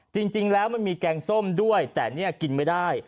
จริงแล้วมันมีแกงส้มด้วยแต่เนี่ยกินไม่ได้